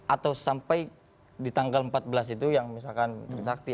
atau sampai di tanggal empat belas itu yang misalkan trisakti